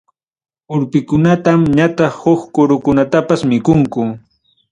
Urpikunatam ñataq huk kurukunatapas mikunku.